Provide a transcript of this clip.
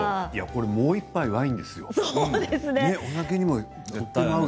もう１杯ワイン、ですよね。